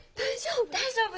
大丈夫？